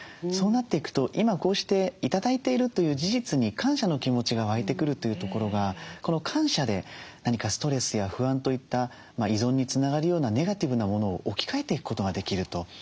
そうなっていくと今こうして頂いているという事実に感謝の気持ちが湧いてくるというところがこの感謝で何かストレスや不安といった依存につながるようなネガティブなものを置き換えていくことができると。